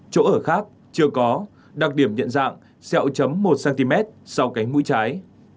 chỗ ở khác chưa có đặc điểm nhận dạng xẹo chấm một cm sau cánh mũi trái